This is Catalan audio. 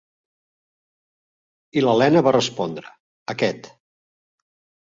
I l'Elena va respondre: "Aquest".